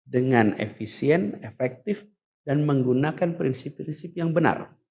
dengan efisien efektif dan menggunakan prinsip prinsip yang benar